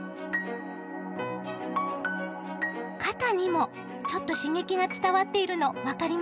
肩にもちょっと刺激が伝わっているの分かりますか？